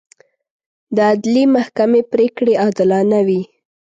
د عدلي محکمې پرېکړې عادلانه وي.